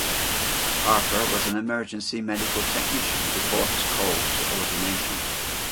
Harper was an Emergency medical technician before his call to ordination.